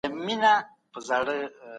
خلګ باید د شخصيتونو په اړه پوره معلومات ولري.